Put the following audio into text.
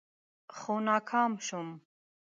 خو ناکام شوم.